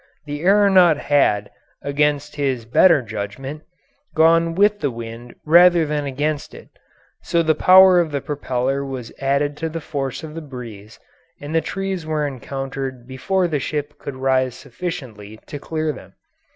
The aeronaut had, against his better judgment, gone with the wind rather than against it, so the power of the propeller was added to the force of the breeze, and the trees were encountered before the ship could rise sufficiently to clear them.